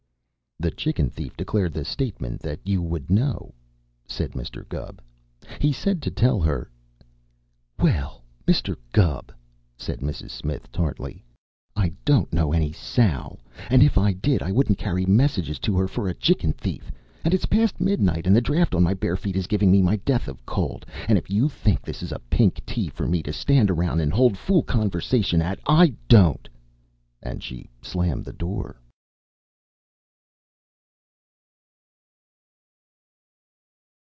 "The chicken thief declared the statement that you would know," said Mr. Gubb. "He said to tell her " "Well, Mr. Gubb," said Mrs. Smith tartly, "I don't know any Sal, and if I did I wouldn't carry messages to her for a chicken thief, and it is past midnight, and the draught on my bare feet is giving me my death of cold, and if you think this is a pink tea for me to stand around and hold fool conversation at, I don't!" And she slammed the door.